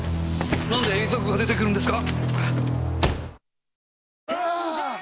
なんで遺族が出てくるんですか？